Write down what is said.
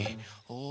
お。